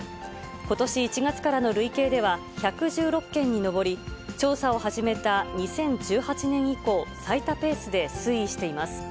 ことし１月からの累計では１１６件に上り、調査を始めた２０１８年以降、最多ペースで推移しています。